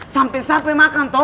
sampai sampai makan tuh